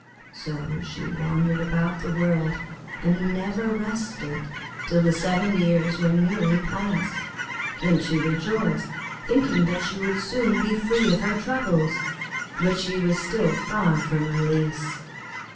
So she wandered about the world, and never rested till the seven years were nearly passed. Then she rejoiced, thinking that she would soon be free of her troubles; but she was still far from release.